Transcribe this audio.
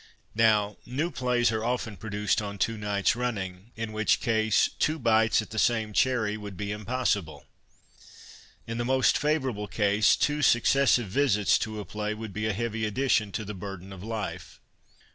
Now, new j)lays are often produced on two nights numing, in which case two bites at the same cherry would be impossible. In the most favourable case, two successive visits to a play would be a heavy addition to the burden of life.